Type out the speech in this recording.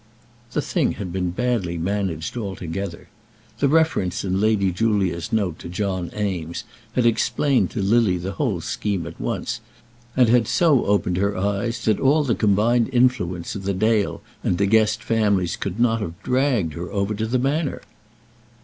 The thing had been badly managed altogether. The reference in Lady Julia's note to John Eames had explained to Lily the whole scheme at once, and had so opened her eyes that all the combined influence of the Dale and De Guest families could not have dragged her over to the Manor.